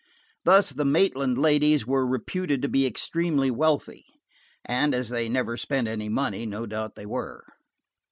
Thus, the Maitland ladies were reputed to be extremely wealthy. And as they never spent any money, no doubt they were.